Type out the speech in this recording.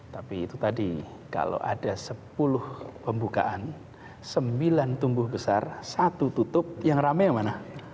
tapi itu tadi kalau ada sepuluh pembukaan sembilan tumbuh besar satu tutup yang rame yang mana